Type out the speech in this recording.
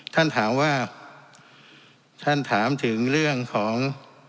ท่านถามว่าท่านถามถึงเรื่องของ